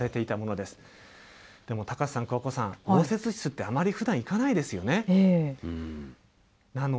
でも高瀬さん、桑子さん、応接室ってあまりふだん行かないですよね。